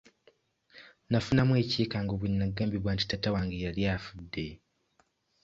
Nafunamu ekyekango bwe nagambibwa nti taata wange yali afudde.